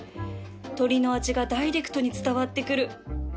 鶏の味がダイレクトに伝わってくる